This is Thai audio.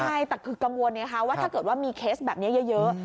ใช่แต่คือกังวลไงคะว่าถ้าเกิดว่ามีเคสแบบนี้เยอะ